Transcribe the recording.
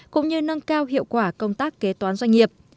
cũng như nâng cao hiệu quả công tác kế toán doanh nghiệp